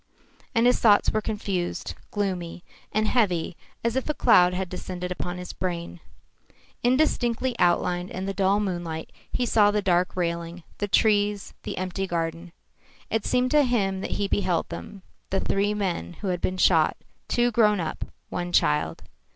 And his thoughts were confused, gloomy, and heavy as if a cloud had descended upon his brain. Indistinctly outlined in the dull moonlight he saw the dark railing, the trees, the empty garden. It seemed to him that he beheld them the three men who had been shot, two grown up, one a child.